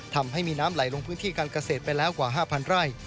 ทำให้มีน้ำไหลลงพื้นที่การเกษตรไปแล้วกว่า๕๐๐ไร่